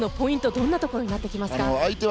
どんなところになってきますか？